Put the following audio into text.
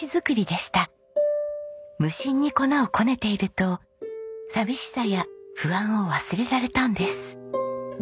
無心に粉をこねていると寂しさや不安を忘れられたんです。